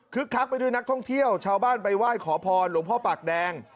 คักไปด้วยนักท่องเที่ยวชาวบ้านไปไหว้ขอพรหลวงพ่อปากแดง